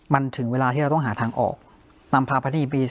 มันถึงเวลาที่เราต้องหาทางออกนำพากรประทิตย์ทั้งปี